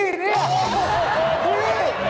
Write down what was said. โหร้อย